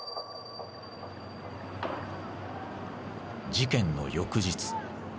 事件の翌日。